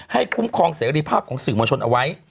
คุ้มครองเสรีภาพของสื่อมวลชนเอาไว้